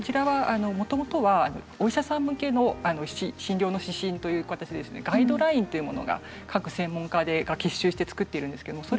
もともとはお医者さん向けの診療の指針ガイドラインというものが各専門家が結集して作っています。